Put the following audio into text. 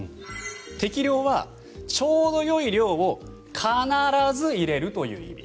適量は、ちょうどよい量を必ず入れるという意味。